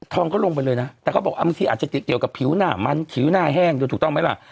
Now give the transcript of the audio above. งก็ลงไปเลยนะแต่เขาบอกบางทีอาจจะติดเกี่ยวกับผิวหน้ามันผิวหน้าแห้งด้วยถูกต้องไหมล่ะ